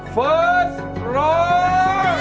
เฟิร์สร้อง